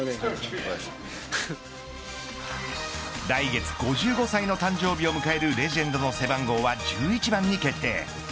来月５５歳の誕生日を迎えるレジェンドの背番号は１１番に決定。